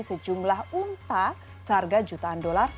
sejumlah unta seharga jutaan dolar